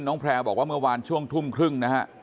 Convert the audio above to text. แพลวบอกว่าเมื่อวานช่วงทุ่มครึ่งนะฮะ